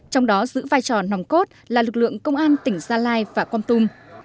trong đó giữ vai trò nòng cốt là lực lượng công an tỉnh gia lai và comtum